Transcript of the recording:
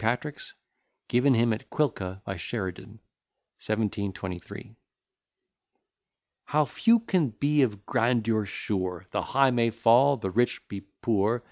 PATRICK'S GIVEN HIM AT QUILCA. BY SHERIDAN 1723 How few can be of grandeur sure! The high may fall, the rich be poor.